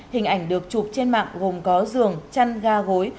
hình ảnh được chụp trên mạng gồm có giường chăn ga gối